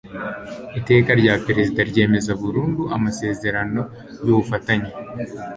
iteka rya perezida ryemeza burundu amasezerano y'ubufatanye